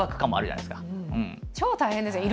超大変ですね。